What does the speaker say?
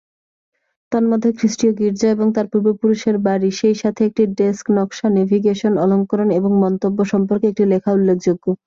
তন্মধ্যে খ্রিস্টীয় গীর্জা এবং তার পূর্বপুরুষের বাড়ি, সেই সাথে একটি ডেস্ক নকশা নেভিগেশন অলঙ্করণ এবং মন্তব্য সম্পর্কে একটি লেখা উল্লেখযোগ্য।